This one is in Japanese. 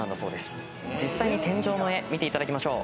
実際に天井の絵見ていただきましょう。